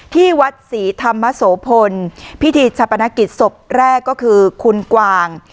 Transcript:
ที่วัดศรีธรรมโสพลพิธีชะปนกิจศพแรกก็คือคุณกวาง